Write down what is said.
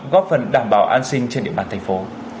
góp phần đảm bảo an sinh trên địa bàn thành phố